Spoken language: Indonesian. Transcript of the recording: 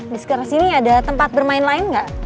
di sekitar sini ada tempat bermain lain nggak